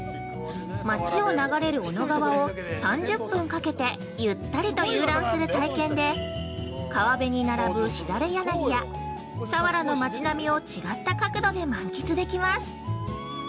町を流れる小野川を３０分かけてゆったりと遊覧する体験で川辺に並ぶ、しだれ柳や佐原の町並みを違った角度で満喫できます。